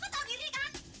kau tahu diri kan